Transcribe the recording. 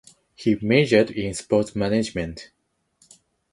He majored in Sports Management.